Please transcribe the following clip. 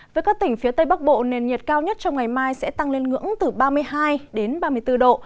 với các tỉnh phía tây bắc bộ nền nhiệt cao nhất trong ngày mai sẽ tăng lên ngưỡng từ ba mươi hai đến ba mươi bốn độ